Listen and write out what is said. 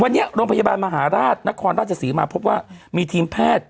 วันนี้โรงพยาบาลมหาราชนครราชศรีมาพบว่ามีทีมแพทย์